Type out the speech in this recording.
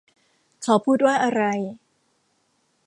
เขาพูดว่าอะไร ?